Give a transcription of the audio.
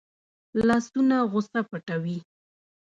لاسونه غصه پټوي